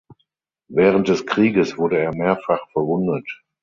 Während des Krieges wurde er mehrfach verwundet.